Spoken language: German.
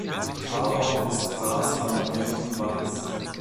Talort ist Saas-Almagell im Wallis.